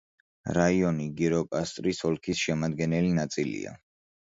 რაიონი გიროკასტრის ოლქის შემადგენელი ნაწილია.